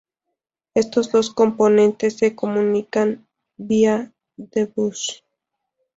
Estos dos componentes se comunican vía D-Bus.